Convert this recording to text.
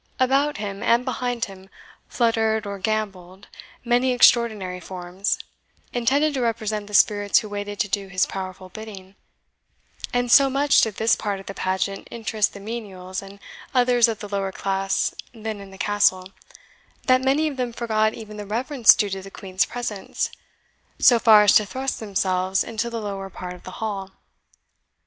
About him and behind him fluttered or gambolled many extraordinary forms, intended to represent the spirits who waited to do his powerful bidding; and so much did this part of the pageant interest the menials and others of the lower class then in the Castle, that many of them forgot even the reverence due to the Queen's presence, so far as to thrust themselves into the lower part of the hall.